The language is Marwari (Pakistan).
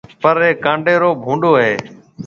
پر اَي ڪانڊيرو ڀونڏو هيَ